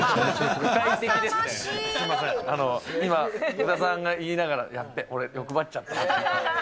福田さんが今言いながら、やっべ、俺、欲張っちゃったなって。